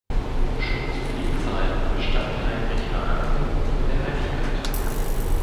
Schon zu Lebzeiten stand Heinrich Hahn im Rufe der Heiligkeit.